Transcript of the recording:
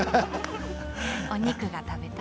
お肉が食べたい？